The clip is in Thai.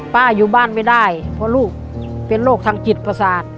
อยู่บ้านไม่ได้เพราะลูกเป็นโรคทางจิตประสาท